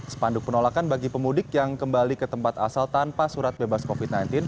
sepanduk penolakan bagi pemudik yang kembali ke tempat asal tanpa surat bebas covid sembilan belas